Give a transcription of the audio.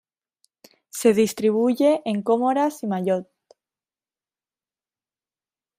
Se distribuye en Comoras y Mayotte.